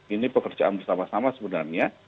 ini pekerjaan bersama sama sebenarnya